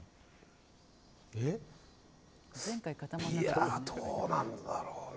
いやー、どうなんだろうな。